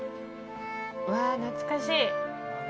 うわあ、懐かしい。